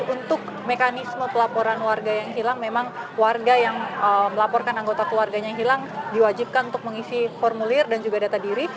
untuk mekanisme pelaporan warga yang hilang memang warga yang melaporkan anggota keluarganya hilang diwajibkan untuk mengisi formulir dan juga data diri